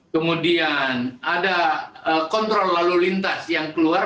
kemudian ada kontrol lalu lintas yang keluar